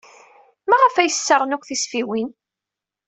Maɣef ay ssaɣen akk tisfiwin?